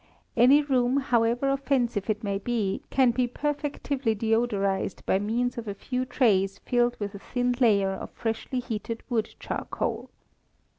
Any room, however offensive it may be, can be perfectively deodorized by means of a few trays filled with a thin layer of freshly heated wood charcoal.